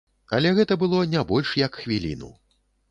Але гэта было не больш як хвіліну.